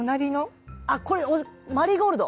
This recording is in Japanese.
これマリーゴールド？